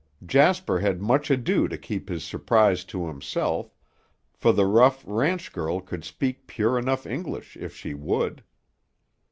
Jasper had much ado to keep his surprise to himself, for the rough ranch girl could speak pure enough English if she would.